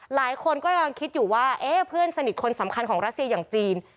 หลายคนก็กำลังคิดอยู่ว่าเอ๊ะเพื่อนสนิทคนสำคัญของรัสเซียอย่างจีน